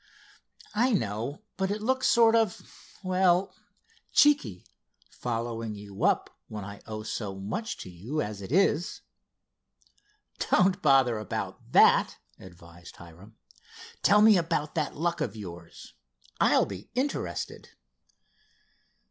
"I know, but it looks sort of—well, cheeky, following you up when I owe so much to you as it is." "Don't bother about that," advised Hiram. "Tell me about that luck of yours. I'll be interested."